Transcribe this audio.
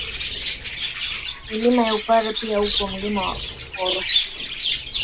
Milima ya Upare pia upo Mlima Uporo